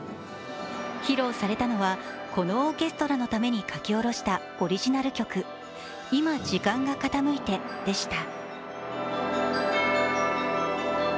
披露されたのは、このオーケストラのために書き下ろしたオリジナル曲「いま時間が傾いて」でした。